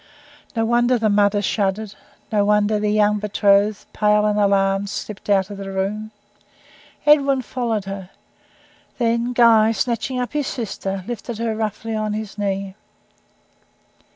No wonder the mother shuddered no wonder the young betrothed, pale and alarmed, slipped out of the room. Edwin followed her. Then Guy, snatching up his sister, lifted her roughly on his knee.